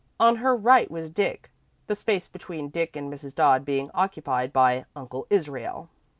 On her right was Dick, the space between Dick and Mrs. Dodd being occupied by Uncle Israel.